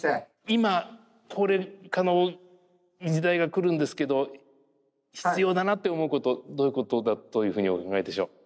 今高齢化の時代が来るんですけど必要だなって思うことどういうことだというふうにお考えでしょう？